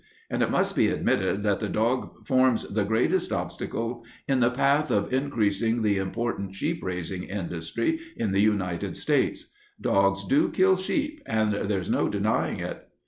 And it must be admitted that the dog forms the greatest obstacle in the path of increasing the important sheep raising industry in the United States. Dogs do kill sheep, and there's no denying it."